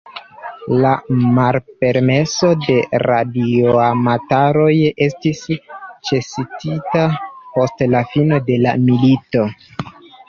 La malpermeso de radioamatoroj estis ĉesigita post la fino de la milito.